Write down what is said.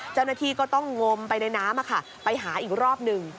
เจ้าหน้าที่ก็ต้องงมไปในน้ำไปหาอีกรอบหนึ่ง